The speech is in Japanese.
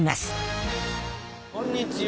こんにちは。